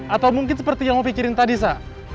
atau mungkin seperti yang mau pikirin tadi sa